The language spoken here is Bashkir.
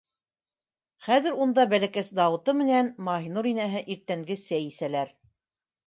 Хәҙер унда бәләкәс Дауыты менән Маһинур инәһе иртәнге сәй әсәлер...